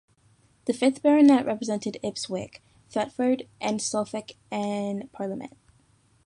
The fifth Baronet represented Ipswich, Thetford and Suffolk in Parliament.